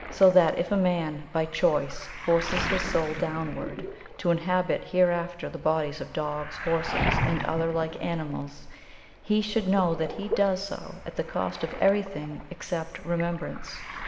So that if a man, by choice, forces his soul DOWNWARD to inhabit hereafter the bodies of dogs, horses, and other like animals, he should know that he does so at the cost of everything except Remembrance.